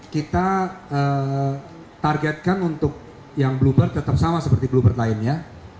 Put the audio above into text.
kita targetkan untuk yang bluebird tetap sama seperti bluebird lainnya